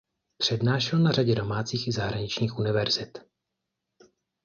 Přednášel na řadě domácích i zahraničních univerzit.